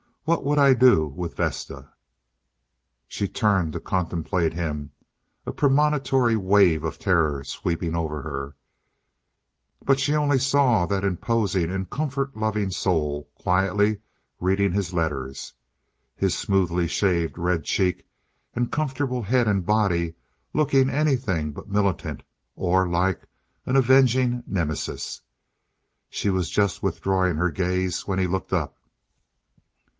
What would I do with Vesta?" She turned to contemplate him, a premonitory wave of terror sweeping over her, but she only saw that imposing and comfort loving soul quietly reading his letters, his smoothly shaved red cheek and comfortable head and body looking anything but militant or like an avenging Nemesis. She was just withdrawing her gaze when he looked up.